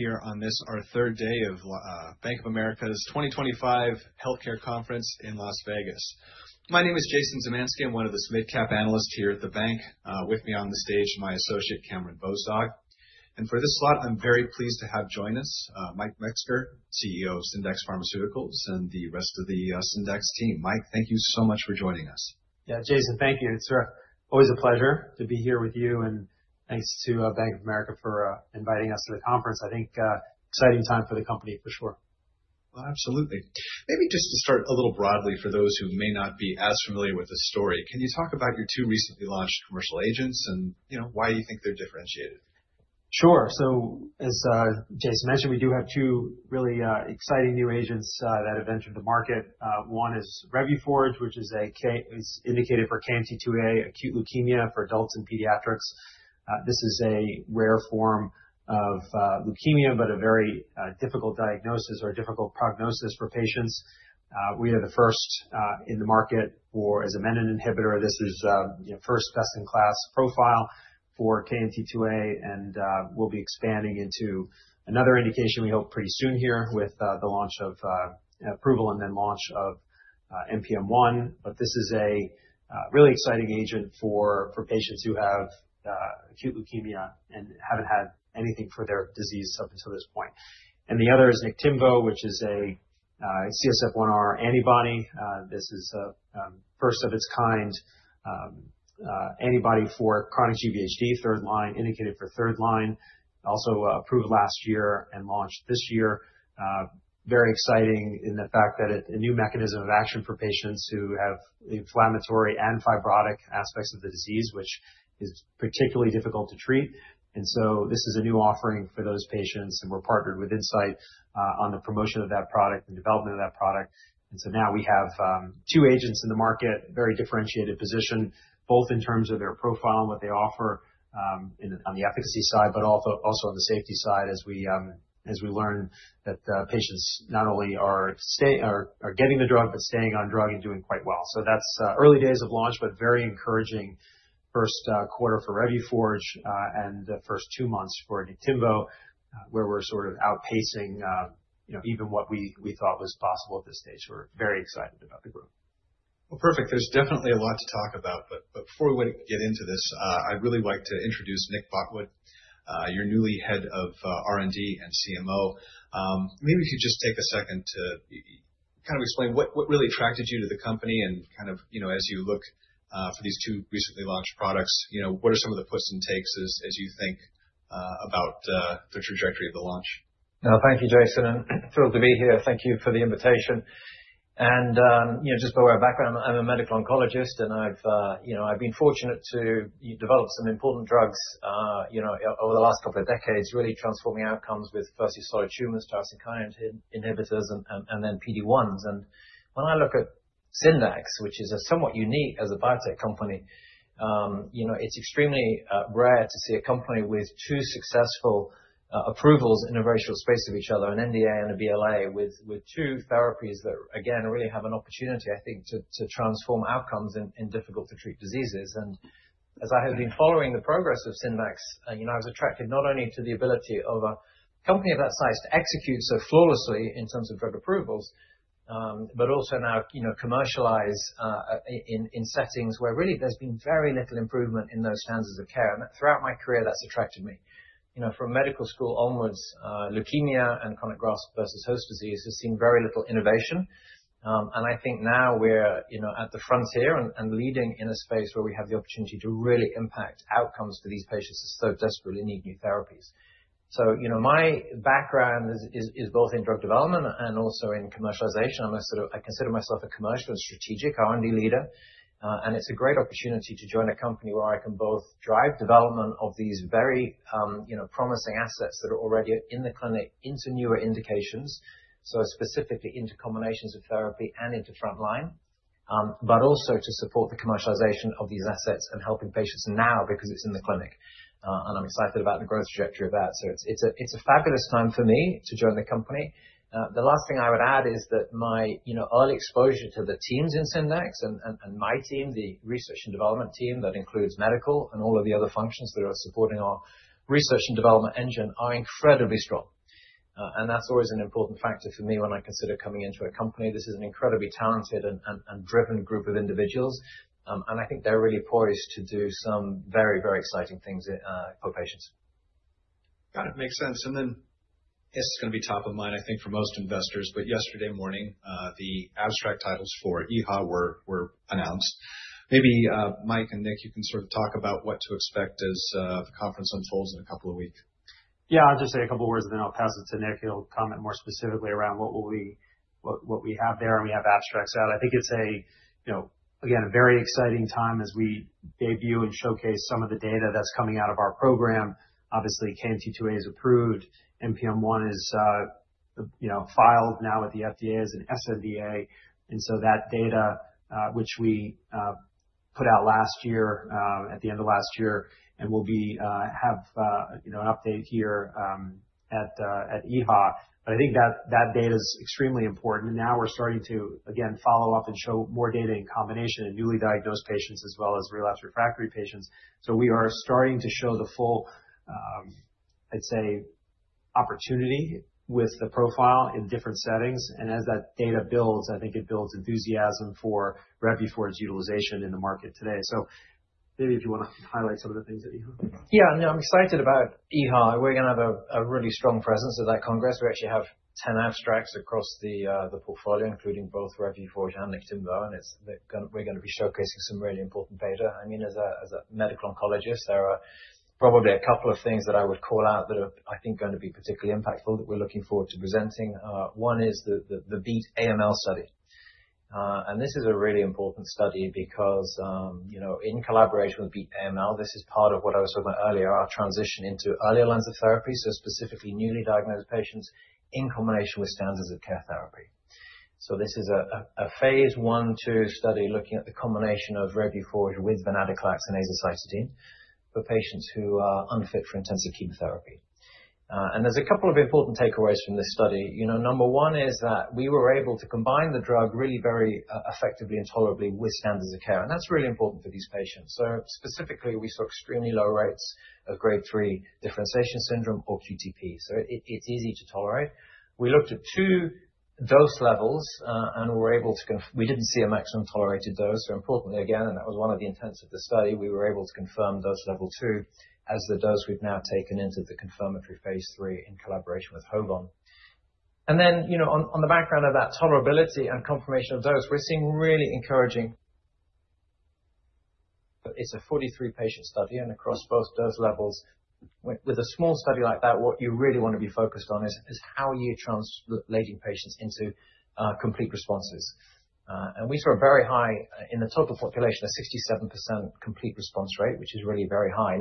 Here on this, our third day of Bank of America's 2025 Health Care Conference in Las Vegas. My name is Jason Zemansky. I'm one of the mid-cap analysts here at the bank. With me on the stage is my associate, Cameron Bozdog. For this slot, I'm very pleased to have join us, Mike Metzger, CEO of Syndax Pharmaceuticals, and the rest of the Syndax team. Mike, thank you so much for joining us. Yeah, Jason, thank you. It's always a pleasure to be here with you. Thanks to Bank of America for inviting us to the conference. I think exciting time for the company, for sure. Absolutely. Maybe just to start a little broadly, for those who may not be as familiar with the story, can you talk about your two recently launched commercial agents and why you think they're differentiated? Sure. As Jason mentioned, we do have two really exciting new agents that have entered the market. One is Revuforj, which is indicated for KMT2A acute leukemia for adults and pediatrics. This is a rare form of leukemia, but a very difficult diagnosis or a difficult prognosis for patients. We are the first in the market for a menin inhibitor. This is first best-in-class profile for KMT2A and will be expanding into another indication, we hope, pretty soon here with the approval and then launch of NPM1. This is a really exciting agent for patients who have acute leukemia and have not had anything for their disease up until this point. The other is Niktimvo, which is a CSF-1R antibody. This is a first-of-its-kind antibody for chronic GVHD, third-line, indicated for third-line, also approved last year and launched this year. Very exciting in the fact that it's a new mechanism of action for patients who have inflammatory and fibrotic aspects of the disease, which is particularly difficult to treat. This is a new offering for those patients. We're partnered with Incyte on the promotion of that product and development of that product. Now we have two agents in the market, very differentiated position, both in terms of their profile and what they offer on the efficacy side, but also on the safety side as we learn that patients not only are getting the drug, but staying on drug and doing quite well. That's early days of launch, but very encouraging first quarter for Revuforj and the first two months for Niktimvo, where we're sort of outpacing even what we thought was possible at this stage. We're very excited about the group. Perfect. There is definitely a lot to talk about. Before we get into this, I would really like to introduce Nick Botwood, your newly head of R&D and CMO. Maybe if you could just take a second to kind of explain what really attracted you to the company and kind of as you look for these two recently launched products, what are some of the posts and takes as you think about the trajectory of the launch? No, thank you, Jason. Thrilled to be here. Thank you for the invitation. Just by way of background, I'm a medical oncologist and I've been fortunate to develop some important drugs over the last couple of decades, really transforming outcomes with first solid tumors, tyrosine kinase inhibitors, and then PD-1s. When I look at Syndax, which is somewhat unique as a biotech company, it's extremely rare to see a company with two successful approvals in a very short space of each other, an NDA and a BLA, with two therapies that, again, really have an opportunity, I think, to transform outcomes in difficult-to-treat diseases. As I have been following the progress of Syndax, I was attracted not only to the ability of a company of that size to execute so flawlessly in terms of drug approvals, but also now commercialize in settings where really there has been very little improvement in those standards of care. Throughout my career, that has attracted me. From medical school onwards, leukemia and chronic graft-versus-host disease has seen very little innovation. I think now we are at the frontier and leading in a space where we have the opportunity to really impact outcomes for these patients who so desperately need new therapies. My background is both in drug development and also in commercialization. I consider myself a commercial and strategic R&D leader. It is a great opportunity to join a company where I can both drive development of these very promising assets that are already in the clinic into newer indications, specifically into combinations of therapy and into frontline, but also to support the commercialization of these assets and helping patients now because it is in the clinic. I am excited about the growth trajectory of that. It is a fabulous time for me to join the company. The last thing I would add is that my early exposure to the teams in Syndax and my team, the research and development team that includes medical and all of the other functions that are supporting our research and development engine, are incredibly strong. That is always an important factor for me when I consider coming into a company. This is an incredibly talented and driven group of individuals. I think they're really poised to do some very, very exciting things for patients. Got it. Makes sense. This is going to be top of mind, I think, for most investors, but yesterday morning, the abstract titles for EHA were announced. Maybe Mike and Nick, you can sort of talk about what to expect as the conference unfolds in a couple of weeks. Yeah, I'll just say a couple of words and then I'll pass it to Nick. He'll comment more specifically around what we have there and we have abstracts out. I think it's, again, a very exciting time as we debut and showcase some of the data that's coming out of our program. Obviously, KMT2A is approved. NPM1 is filed now with the FDA as an sNDA. That data, which we put out last year at the end of last year, will have an update here at EHA. I think that data is extremely important. Now we're starting to, again, follow up and show more data in combination in newly diagnosed patients as well as relapsed/refractory patients. We are starting to show the full, I'd say, opportunity with the profile in different settings. As that data builds, I think it builds enthusiasm for Revuforj's utilization in the market today. Maybe if you want to highlight some of the things that you heard. Yeah, no, I'm excited about EHA. We're going to have a really strong presence at that congress. We actually have 10 abstracts across the portfolio, including both Revuforj and Niktimvo. And we're going to be showcasing some really important data. I mean, as a medical oncologist, there are probably a couple of things that I would call out that are, I think, going to be particularly impactful that we're looking forward to presenting. One is the BEAT AML study. This is a really important study because in collaboration with BEAT AML, this is part of what I was talking about earlier, our transition into earlier lines of therapy, specifically newly diagnosed patients in combination with standards of care therapy. This is a phase I/II study looking at the combination of Revuforj with venetoclax and azacitidine for patients who are unfit for intensive chemotherapy. There are a couple of important takeaways from this study. Number one is that we were able to combine the drug really very effectively and tolerably with standards of care. That is really important for these patients. Specifically, we saw extremely low rates of grade 3 differentiation syndrome. It is easy to tolerate. We looked at two dose levels and we did not see a maximum tolerated dose. Importantly, again, and that was one of the intents of the study, we were able to confirm dose level two as the dose we have now taken into the confirmatory phase III in collaboration with HOVON. On the background of that tolerability and confirmation of dose, we are seeing really encouraging results. It is a 43-patient study and across both dose levels. With a small study like that, what you really want to be focused on is how you're translating patients into complete responses. We saw a very high, in the total population, a 67% complete response rate, which is really very high.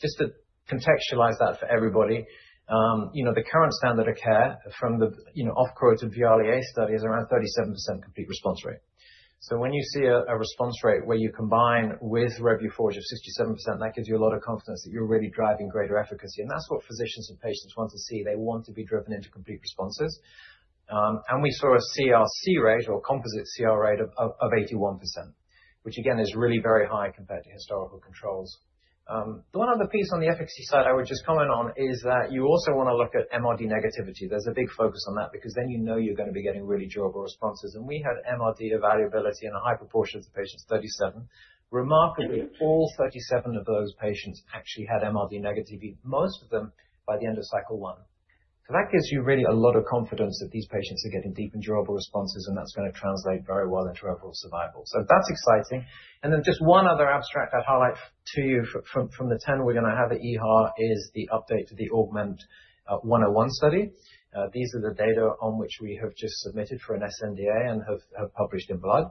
Just to contextualize that for everybody, the current standard of care from the off-court of VIALE-A study is around 37% complete response rate. When you see a response rate where you combine with Revuforj of 67%, that gives you a lot of confidence that you're really driving greater efficacy. That is what physicians and patients want to see. They want to be driven into complete responses. We saw a CRc rate or composite CR rate of 81%, which again is really very high compared to historical controls. The one other piece on the efficacy side I would just comment on is that you also want to look at MRD negativity. There's a big focus on that because then you know you're going to be getting really durable responses. And we had MRD evaluability in a high proportion of the patients, 37. Remarkably, all 37 of those patients actually had MRD negativity, most of them by the end of cycle one. That gives you really a lot of confidence that these patients are getting deep and durable responses and that's going to translate very well into overall survival. That's exciting. Just one other abstract I'd highlight to you from the 10 we're going to have at EHA is the update to the AUGMENT-101 study. These are the data on which we have just submitted for an sNDA and have published in Blood.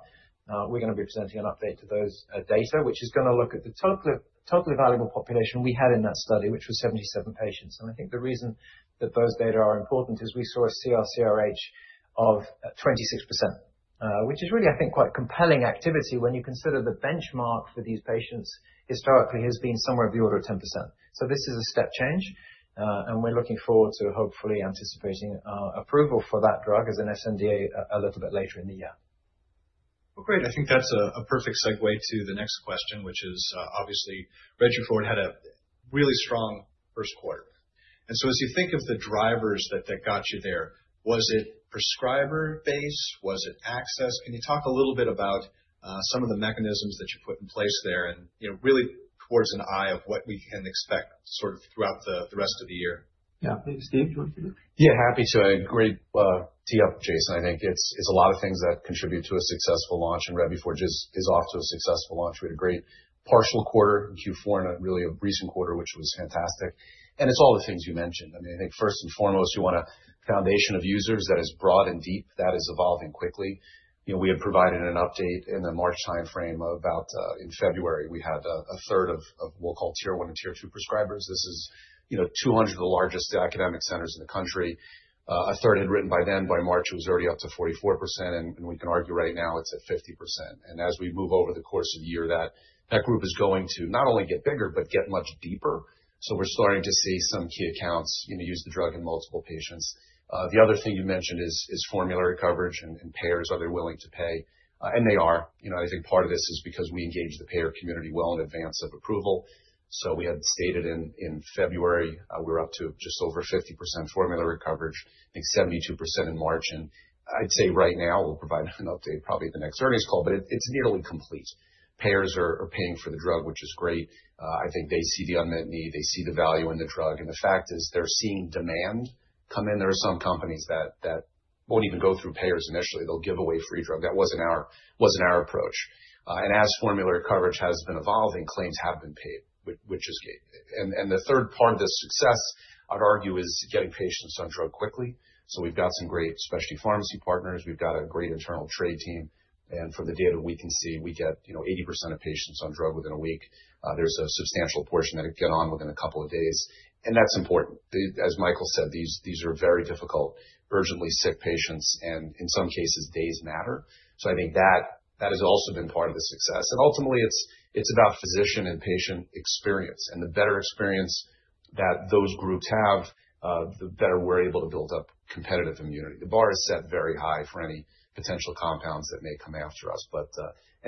We're going to be presenting an update to those data, which is going to look at the total evaluable population we had in that study, which was 77 patients. I think the reason that those data are important is we saw a CR/CRh of 26%, which is really, I think, quite compelling activity when you consider the benchmark for these patients historically has been somewhere in the order of 10%. This is a step change. We're looking forward to hopefully anticipating approval for that drug as an sNDA a little bit later in the year. I think that's a perfect segue to the next question, which is obviously Revuforj had a really strong first quarter. As you think of the drivers that got you there, was it prescriber base? Was it access? Can you talk a little bit about some of the mechanisms that you put in place there and really towards an eye of what we can expect sort of throughout the rest of the year? Yeah, maybe Steve, do you want to do that? Yeah, happy to. Great tee-up, Jason. I think it's a lot of things that contribute to a successful launch and Revuforj is off to a successful launch. We had a great partial quarter in Q4 and a really recent quarter, which was fantastic. It's all the things you mentioned. I mean, I think first and foremost, you want a foundation of users that is broad and deep that is evolving quickly. We had provided an update in the March timeframe about in February, we had a third of what we'll call tier one and tier two prescribers. This is 200 of the largest academic centers in the country. A third had written by then. By March, it was already up to 44%. I mean, we can argue right now it's at 50%. As we move over the course of the year, that group is going to not only get bigger, but get much deeper. We are starting to see some key accounts use the drug in multiple patients. The other thing you mentioned is formulary coverage and payers, are they willing to pay? They are. I think part of this is because we engage the payer community well in advance of approval. We had stated in February, we are up to just over 50% formulary coverage, I think 72% in March. I would say right now we will provide an update probably at the next earnings call, but it is nearly complete. Payers are paying for the drug, which is great. I think they see the unmet need. They see the value in the drug. The fact is they are seeing demand come in. There are some companies that will not even go through payers initially. They will give away free drug. That was not our approach. As formulary coverage has been evolving, claims have been paid, which is great. The third part of the success, I would argue, is getting patients on drug quickly. We have some great specialty pharmacy partners. We have a great internal trade team. From the data we can see, we get 80% of patients on drug within a week. There is a substantial portion that get on within a couple of days. That is important. As Michael said, these are very difficult, urgently sick patients. In some cases, days matter. I think that has also been part of the success. Ultimately, it is about physician and patient experience. The better experience that those groups have, the better we are able to build up competitive immunity. The bar is set very high for any potential compounds that may come after us.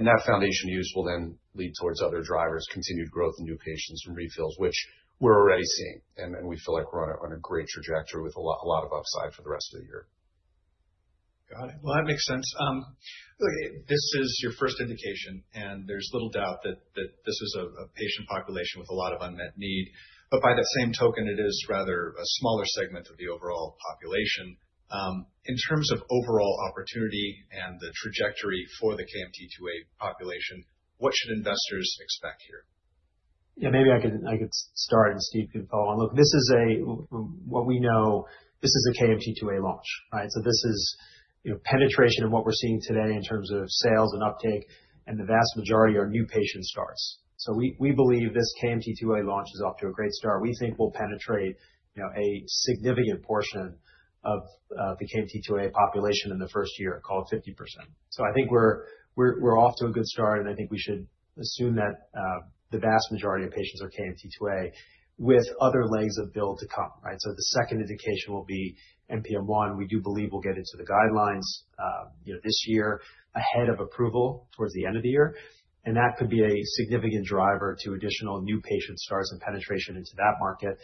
That foundation use will then lead towards other drivers, continued growth, and new patients and refills, which we're already seeing. We feel like we're on a great trajectory with a lot of upside for the rest of the year. Got it. That makes sense. This is your first indication and there's little doubt that this is a patient population with a lot of unmet need. By that same token, it is rather a smaller segment of the overall population. In terms of overall opportunity and the trajectory for the KMT2A population, what should investors expect here? Yeah, maybe I could start and Steve can follow on. Look, this is what we know. This is a KMT2A launch, right? This is penetration and what we're seeing today in terms of sales and uptake and the vast majority are new patient starts. We believe this KMT2A launch is off to a great start. We think we'll penetrate a significant portion of the KMT2A population in the first year, call it 50%. I think we're off to a good start and I think we should assume that the vast majority of patients are KMT2A with other legs of build to come, right? The second indication will be NPM1. We do believe we'll get into the guidelines this year ahead of approval towards the end of the year. That could be a significant driver to additional new patient starts and penetration into that market.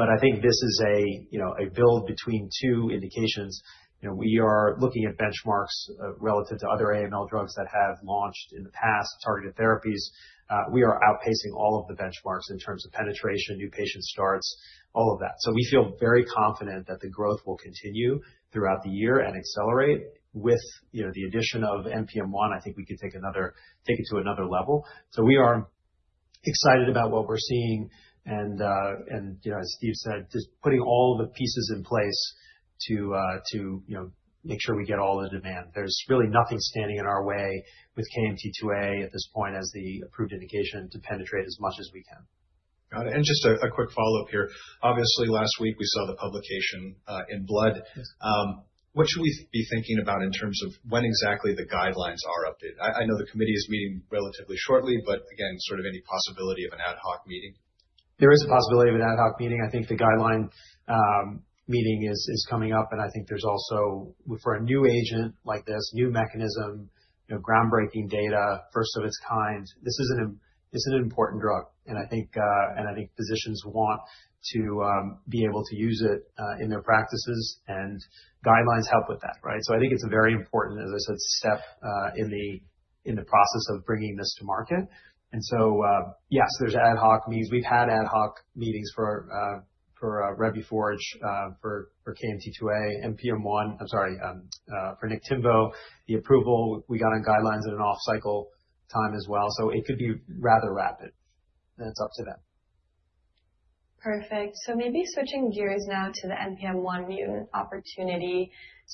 I think this is a build between two indications. We are looking at benchmarks relative to other AML drugs that have launched in the past, targeted therapies. We are outpacing all of the benchmarks in terms of penetration, new patient starts, all of that. We feel very confident that the growth will continue throughout the year and accelerate with the addition of NPM1. I think we could take it to another level. We are excited about what we're seeing. As Steve said, just putting all the pieces in place to make sure we get all the demand. There is really nothing standing in our way with KMT2A at this point as the approved indication to penetrate as much as we can. Got it. And just a quick follow-up here. Obviously, last week we saw the publication in Blood. What should we be thinking about in terms of when exactly the guidelines are updated? I know the committee is meeting relatively shortly, but again, sort of any possibility of an ad hoc meeting? There is a possibility of an ad hoc meeting. I think the guideline meeting is coming up. I think there's also for a new agent like this, new mechanism, groundbreaking data, first of its kind. This is an important drug. I think physicians want to be able to use it in their practices. Guidelines help with that, right? I think it's a very important, as I said, step in the process of bringing this to market. Yes, there's ad hoc meetings. We've had ad hoc meetings for Revuforj for KMT2A, NPM1, I'm sorry, for Niktimvo. The approval, we got on guidelines at an off-cycle time as well. It could be rather rapid. It's up to them. Perfect. Maybe switching gears now to the NPM1-mutant opportunity.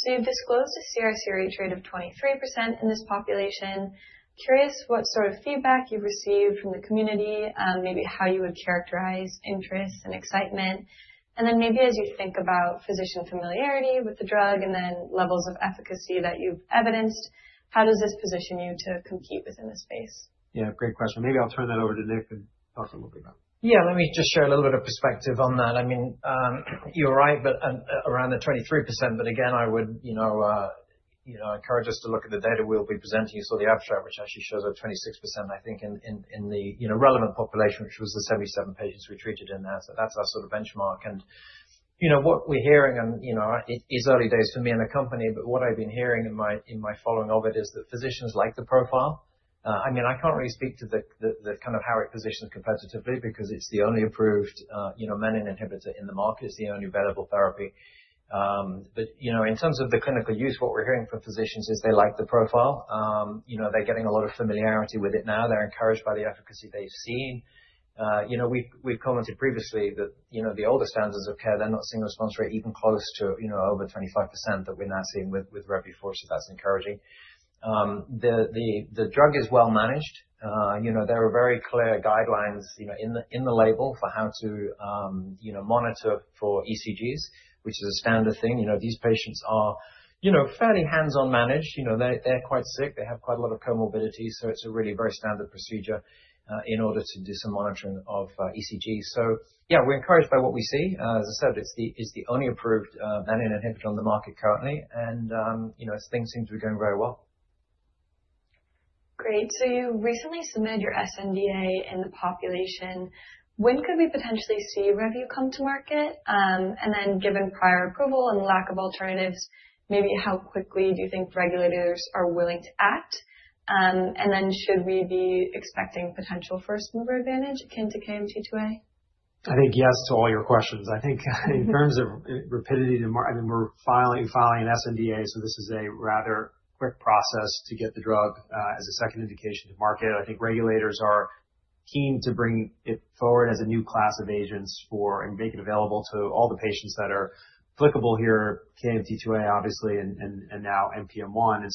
You've disclosed a CR/CRh rate of 23% in this population. Curious what sort of feedback you've received from the community, maybe how you would characterize interest and excitement. Maybe as you think about physician familiarity with the drug and then levels of efficacy that you've evidenced, how does this position you to compete within this space? Yeah, great question. Maybe I'll turn that over to Nick and talk a little bit about it. Yeah, let me just share a little bit of perspective on that. I mean, you're right, but around the 23%, but again, I would encourage us to look at the data we'll be presenting you. The abstract, which actually shows a 26%, I think, in the relevant population, which was the 77 patients we treated in there. That's our sort of benchmark. What we're hearing, and it's early days for me and the company, but what I've been hearing in my following of it is that physicians like the profile. I mean, I can't really speak to the kind of how it positions competitively because it's the only approved menin inhibitor in the market. It's the only available therapy. In terms of the clinical use, what we're hearing from physicians is they like the profile. They're getting a lot of familiarity with it now. They're encouraged by the efficacy they've seen. We've commented previously that the older standards of care, they're not seeing a response rate even close to over 25% that we're now seeing with Revuforj. That's encouraging. The drug is well managed. There are very clear guidelines in the label for how to monitor for ECGs, which is a standard thing. These patients are fairly hands-on managed. They're quite sick. They have quite a lot of comorbidities. It's a really very standard procedure in order to do some monitoring of ECGs. Yeah, we're encouraged by what we see. As I said, it's the only approved menin inhibitor on the market currently. Things seem to be going very well. Great. You recently submitted your sNDA in the population. When could we potentially see Revuforj come to market? Given prior approval and lack of alternatives, maybe how quickly do you think regulators are willing to act? Should we be expecting potential first mover advantage akin to KMT2A? I think yes to all your questions. I think in terms of rapidity to market, I mean, we're filing an sNDA. So this is a rather quick process to get the drug as a second indication to market. I think regulators are keen to bring it forward as a new class of agents for and make it available to all the patients that are applicable here, KMT2A obviously, and now NPM1.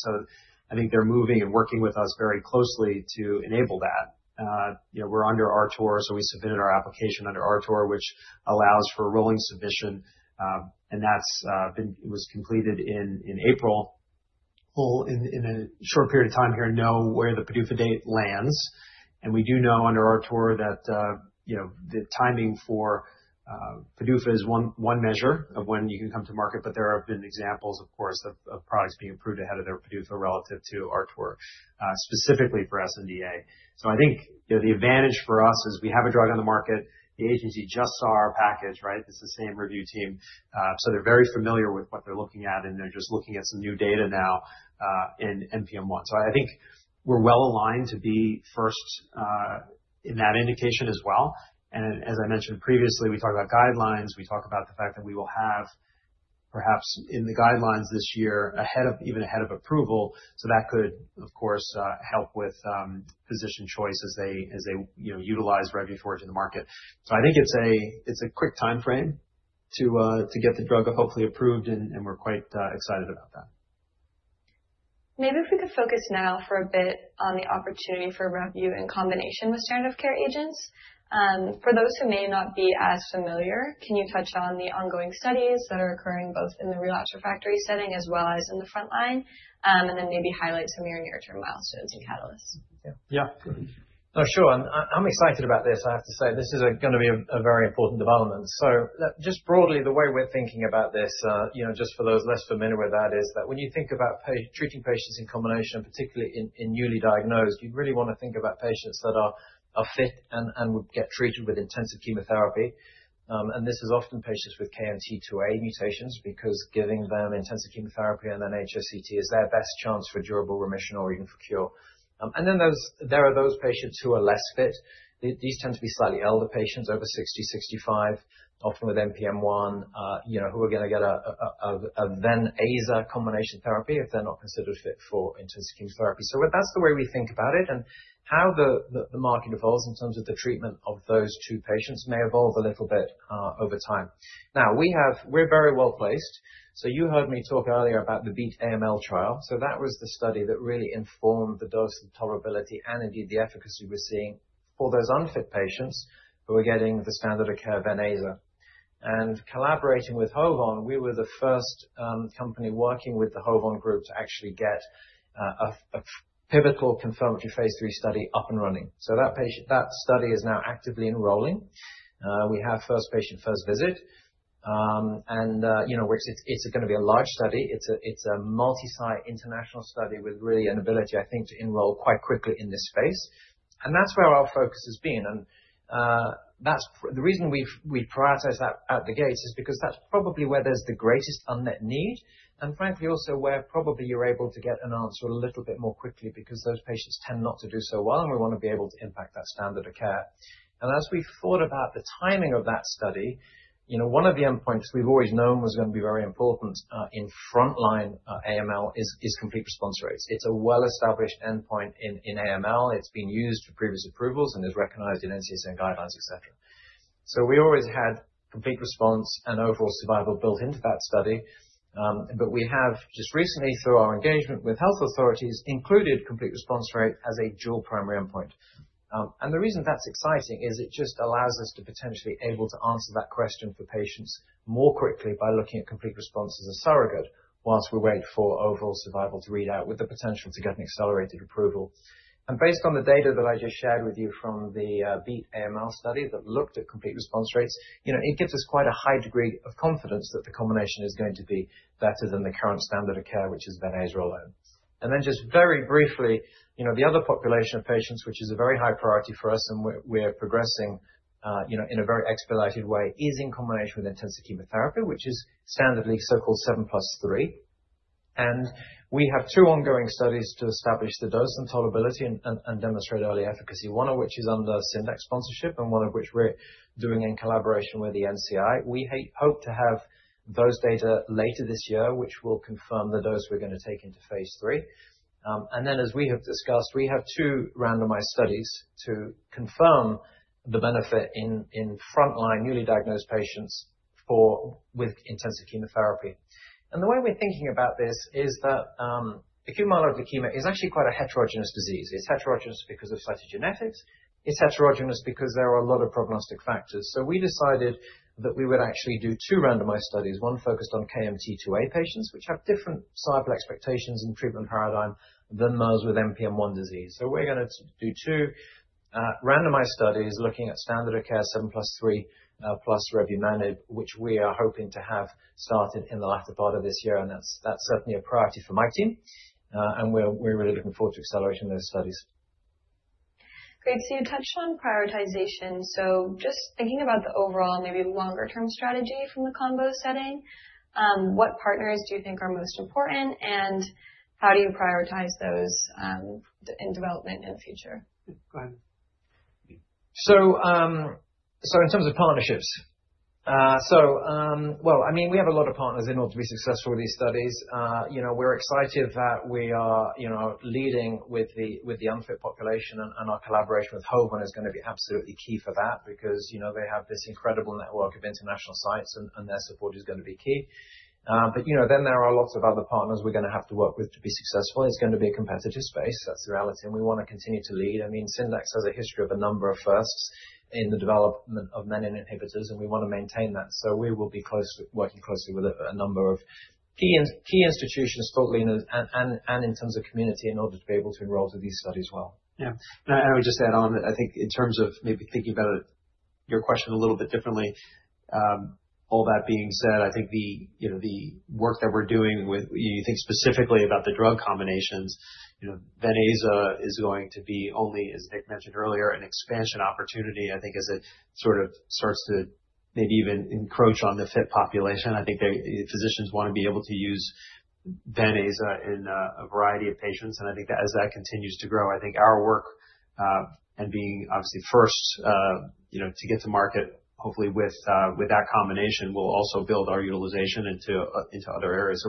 I think they're moving and working with us very closely to enable that. We're under RTOR. We submitted our application under RTOR, which allows for rolling submission. That was completed in April. We'll, in a short period of time here, know where the PDUFA date lands. We do know under RTOR that the timing for PDUFA is one measure of when you can come to market. There have been examples, of course, of products being approved ahead of their PDUFA relative to RTOR, specifically for SNDA. I think the advantage for us is we have a drug on the market. The agency just saw our package, right? It's the same review team. They're very familiar with what they're looking at. They're just looking at some new data now in NPM1. I think we're well aligned to be first in that indication as well. As I mentioned previously, we talked about guidelines. We talk about the fact that we will have perhaps in the guidelines this year, even ahead of approval. That could, of course, help with physician choice as they utilize Revuforj in the market. I think it's a quick timeframe to get the drug hopefully approved. We're quite excited about that. Maybe if we could focus now for a bit on the opportunity for Revuforj in combination with standard of care agents. For those who may not be as familiar, can you touch on the ongoing studies that are occurring both in the real abstract factory setting as well as in the frontline? Maybe highlight some of your near-term milestones and catalysts. Yeah, sure. I'm excited about this, I have to say. This is going to be a very important development. Just broadly, the way we're thinking about this, just for those less familiar with that, is that when you think about treating patients in combination, particularly in newly diagnosed, you really want to think about patients that are fit and would get treated with intensive chemotherapy. This is often patients with KMT2A mutations because giving them intensive chemotherapy and then HSCT is their best chance for durable remission or even for cure. There are those patients who are less fit. These tend to be slightly elder patients, over 60, 65, often with NPM1, who are going to get a Ven + Asa combination therapy if they're not considered fit for intensive chemotherapy. That's the way we think about it. How the market evolves in terms of the treatment of those two patients may evolve a little bit over time. We are very well placed. You heard me talk earlier about the BEAT AML trial. That was the study that really informed the dose of tolerability and indeed the efficacy we are seeing for those unfit patients who are getting the standard of care, then ASA. Collaborating with HOVON, we were the first company working with the HOVON group to actually get a pivotal confirmatory phase three study up and running. That study is now actively enrolling. We have first patient, first visit. It is going to be a large study. It is a multi-site international study with really an ability, I think, to enroll quite quickly in this space. That is where our focus has been. The reason we prioritize that at the gates is because that's probably where there's the greatest unmet need. Frankly, also where probably you're able to get an answer a little bit more quickly because those patients tend not to do so well. We want to be able to impact that standard of care. As we thought about the timing of that study, one of the endpoints we've always known was going to be very important in frontline AML is complete response rates. It's a well-established endpoint in AML. It's been used for previous approvals and is recognized in NCCN Guidelines, etc. We always had complete response and overall survival built into that study. We have just recently, through our engagement with health authorities, included complete response rate as a dual primary endpoint. The reason that's exciting is it just allows us to potentially be able to answer that question for patients more quickly by looking at complete response as a surrogate whilst we wait for overall survival to read out with the potential to get an accelerated approval. Based on the data that I just shared with you from the BEAT AML study that looked at complete response rates, it gives us quite a high degree of confidence that the combination is going to be better than the current standard of care, which is then ASA alone. Very briefly, the other population of patients, which is a very high priority for us and we're progressing in a very expedited way, is in combination with intensive chemotherapy, which is standardly so-called seven plus three. We have two ongoing studies to establish the dose and tolerability and demonstrate early efficacy, one of which is under Syndax sponsorship and one of which we're doing in collaboration with the NCI. We hope to have those data later this year, which will confirm the dose we're going to take into phase three. As we have discussed, we have two randomized studies to confirm the benefit in frontline newly diagnosed patients with intensive chemotherapy. The way we're thinking about this is that acute myeloid leukemia is actually quite a heterogeneous disease. It's heterogeneous because of cytogenetics. It's heterogeneous because there are a lot of prognostic factors. We decided that we would actually do two randomized studies, one focused on KMT2A patients, which have different cycle expectations and treatment paradigm than those with NPM1 disease. We're going to do two randomized studies looking at standard of care seven plus three plus Revuforj, which we are hoping to have started in the latter part of this year. That is certainly a priority for my team. We're really looking forward to accelerating those studies. Great. You touched on prioritization. Just thinking about the overall, maybe longer-term strategy from the combo setting, what partners do you think are most important? How do you prioritize those in development in the future? Go ahead. In terms of partnerships, I mean, we have a lot of partners in order to be successful with these studies. We're excited that we are leading with the unfit population. Our collaboration with HOVON is going to be absolutely key for that because they have this incredible network of international sites. Their support is going to be key. There are lots of other partners we're going to have to work with to be successful. It's going to be a competitive space. That's the reality. We want to continue to lead. I mean, Syndax has a history of a number of firsts in the development of menin inhibitors. We want to maintain that. We will be working closely with a number of key institutions, thought leaders, and in terms of community in order to be able to enroll to these studies well. Yeah. I would just add on, I think in terms of maybe thinking about your question a little bit differently, all that being said, I think the work that we're doing with, you think specifically about the drug combinations, then ASA is going to be only, as Nick mentioned earlier, an expansion opportunity. I think as it sort of starts to maybe even encroach on the fit population, I think physicians want to be able to use then ASA in a variety of patients. I think as that continues to grow, our work and being obviously first to get to market, hopefully with that combination, will also build our utilization into other areas.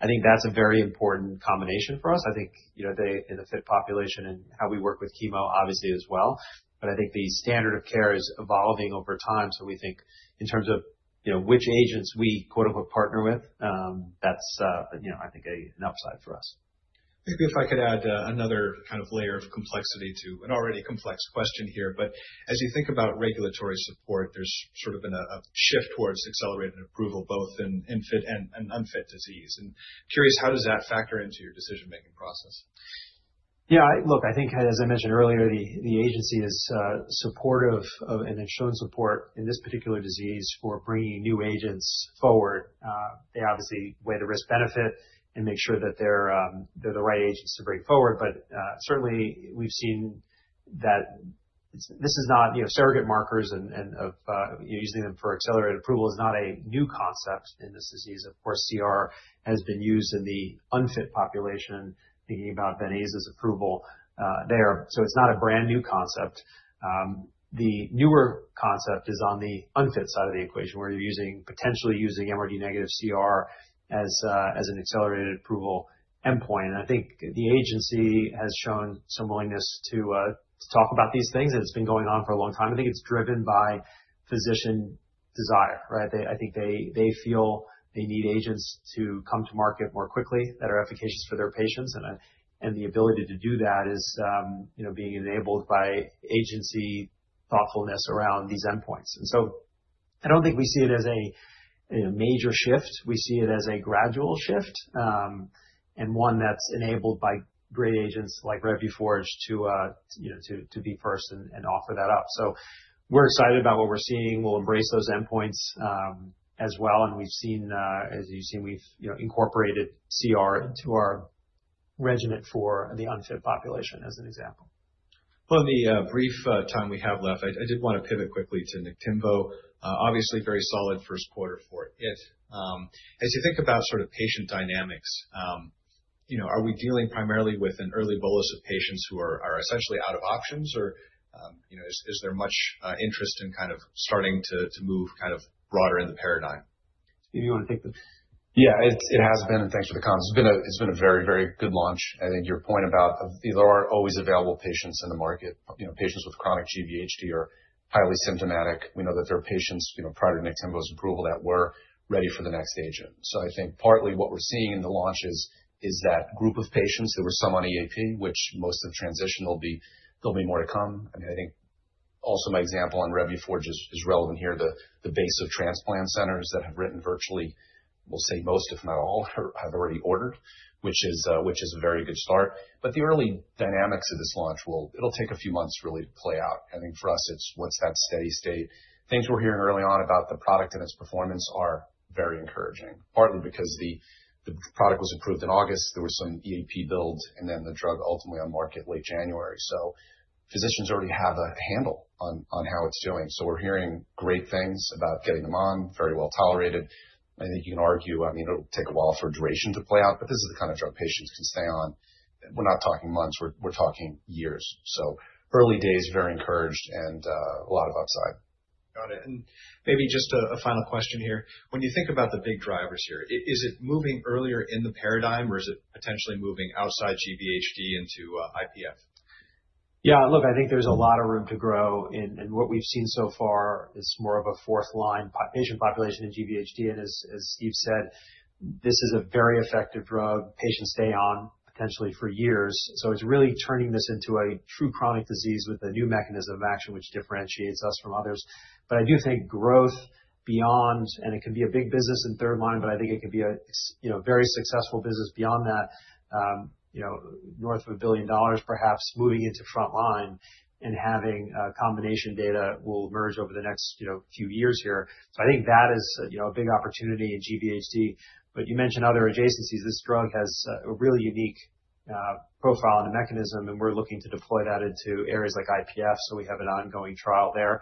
I think that's a very important combination for us. I think in the fit population and how we work with chemo, obviously as well. I think the standard of care is evolving over time. We think in terms of which agents we "partner with," and I think that's an upside for us. Maybe if I could add another kind of layer of complexity to an already complex question here. As you think about regulatory support, there's sort of been a shift towards accelerated approval, both in infant and unfit disease. Curious, how does that factor into your decision-making process? Yeah, look, I think as I mentioned earlier, the agency is supportive and has shown support in this particular disease for bringing new agents forward. They obviously weigh the risk-benefit and make sure that they're the right agents to bring forward. Certainly, we've seen that this is not surrogate markers and using them for accelerated approval is not a new concept in this disease. Of course, CR has been used in the unfit population, thinking about then ASA's approval there. It is not a brand new concept. The newer concept is on the unfit side of the equation where you're potentially using MRD negative CR as an accelerated approval endpoint. I think the agency has shown some willingness to talk about these things. It's been going on for a long time. I think it's driven by physician desire, right? I think they feel they need agents to come to market more quickly that are efficacious for their patients. The ability to do that is being enabled by agency thoughtfulness around these endpoints. I do not think we see it as a major shift. We see it as a gradual shift and one that is enabled by great agents like Revuforj to be first and offer that up. We are excited about what we are seeing. We will embrace those endpoints as well. As you have seen, we have incorporated CR into our regimen for the unfit population as an example. In the brief time we have left, I did want to pivot quickly to Niktimvo. Obviously, very solid first quarter for it. As you think about sort of patient dynamics, are we dealing primarily with an early bolus of patients who are essentially out of options? Or is there much interest in kind of starting to move kind of broader in the paradigm? Steve, you want to take the. Yeah, it has been. Thanks for the comments. It's been a very, very good launch. I think your point about there are always available patients in the market, patients with chronic GVHD or highly symptomatic. We know that there are patients prior to Niktimvo's approval that were ready for the next agent. I think partly what we're seeing in the launch is that group of patients who were some on EAP, which most have transitioned, there'll be more to come. I mean, I think also my example on Revuforj is relevant here. The base of transplant centers that have written virtually, we'll say most, if not all, have already ordered, which is a very good start. The early dynamics of this launch, it'll take a few months really to play out. I think for us, it's what's that steady state. Things we're hearing early on about the product and its performance are very encouraging, partly because the product was approved in August. There were some EAP builds and then the drug ultimately on market late January. Physicians already have a handle on how it's doing. We're hearing great things about getting them on, very well tolerated. I think you can argue, I mean, it'll take a while for duration to play out, but this is the kind of drug patients can stay on. We're not talking months. We're talking years. Early days, very encouraged and a lot of upside. Got it. Maybe just a final question here. When you think about the big drivers here, is it moving earlier in the paradigm or is it potentially moving outside GVHD into IPF? Yeah, look, I think there's a lot of room to grow. What we've seen so far is more of a fourth line patient population in chronic GVHD. As Steve said, this is a very effective drug. Patients stay on potentially for years. It's really turning this into a true chronic disease with a new mechanism of action, which differentiates us from others. I do think growth beyond, and it can be a big business in third-line, but I think it can be a very successful business beyond that, north of $1 billion perhaps, moving into frontline and having combination data will emerge over the next few years here. I think that is a big opportunity in chronic GVHD. You mentioned other adjacencies. This drug has a really unique profile and a mechanism. We're looking to deploy that into areas like IPF. We have an ongoing trial there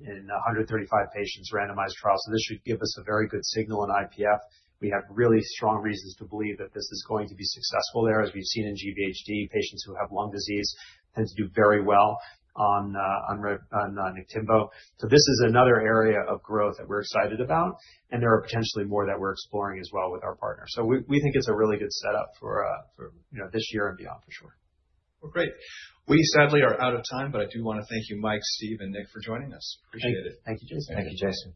in 135 patients randomized trial. This should give us a very good signal in IPF. We have really strong reasons to believe that this is going to be successful there as we've seen in chronic GVHD. Patients who have lung disease tend to do very well on Niktimvo. This is another area of growth that we're excited about. There are potentially more that we're exploring as well with our partners. We think it's a really good setup for this year and beyond for sure. Great. We sadly are out of time, but I do want to thank you, Mike, Steve, and Nick for joining us. Appreciate it. Thank you, Jason. Thank you, Jason.